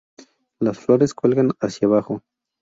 Las flores cuelgan hacia abajo.